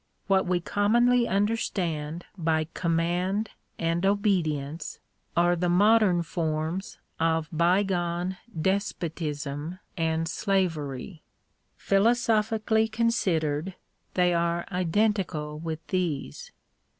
What we oommonly understand by command and obedience, are the modem forms of bygone despotism and slavery. Philosophically considered, they are identical with these.